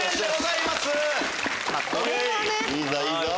いいぞいいぞ！